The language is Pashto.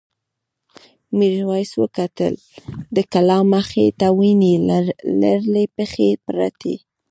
میرويس وکتل د کلا مخې ته وینې لړلې پښې پرتې.